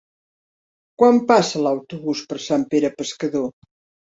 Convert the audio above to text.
Quan passa l'autobús per Sant Pere Pescador?